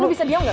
lo bisa diam gak